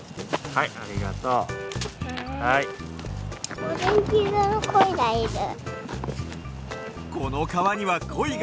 はいありがとう。あった！